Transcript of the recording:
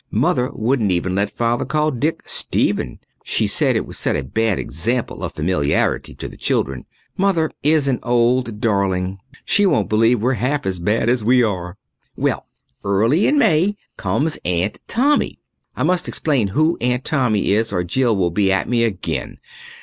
Mother wouldn't even let Father call Dick "Stephen"; she said it would set a bad example of familiarity to the children. Mother is an old darling. She won't believe we're half as bad as we are. Well, early in May comes Aunt Tommy. I must explain who Aunt Tommy is or Jill will be at me again.